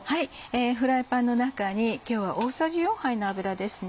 フライパンの中に今日は大さじ４杯の油ですね。